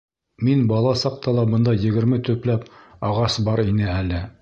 Мин бала саҡта ла бында егерме төпләп ағас бар ине әле.